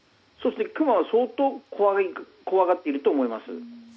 クマは相当怖がっていると思います。